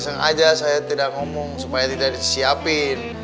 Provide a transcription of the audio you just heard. sengaja saya tidak ngomong supaya tidak disiapin